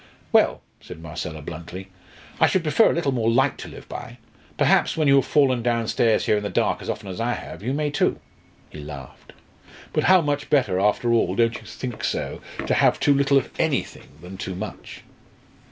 "Well," said Marcella, bluntly, "I should prefer a little more light to live by. Perhaps, when you have fallen downstairs here in the dark as often as I have, you may too." He laughed. "But how much better, after all don't you think so? to have too little of anything than too much!"